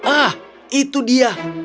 ah itu dia